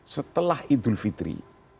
setelah idul fitri